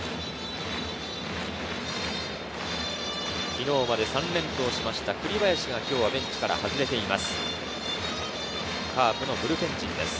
昨日まで３連投をした栗林が今日はベンチから外れています。